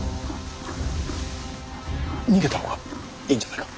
逃げた方がいいんじゃないか。